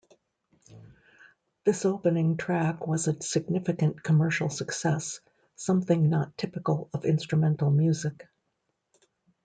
This opening track was a significant commercial success, something not typical of instrumental music.